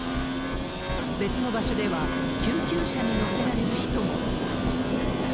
別の場所では、救急車に乗せられる人も。